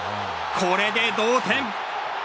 これで同点！